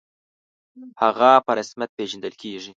«هغه» په رسمیت پېژندل کېږي.